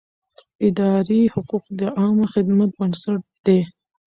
اداري حقوق د عامه خدمت بنسټ دی.